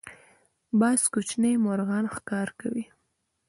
باز کوچني مرغان ښکار کوي